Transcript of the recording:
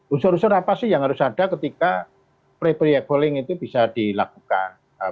usur usur apa sih yang harus ada ketika pre pre excelling itu bisa dilakukan